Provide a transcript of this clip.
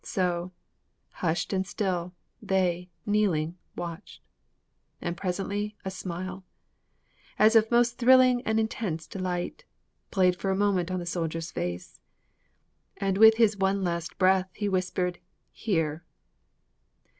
So, hushed and still, They, kneeling, watched. And presently a smile, As of most thrilling and intense delight, Played for a moment on the soldier's face, And with his one last breath he whispered 'Here!'